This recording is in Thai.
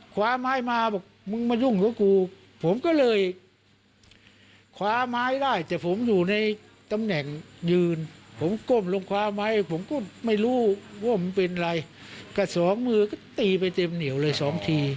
ก็ตีไปเต็มเหนียวเลยสองที